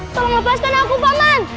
tolong lepaskan aku paman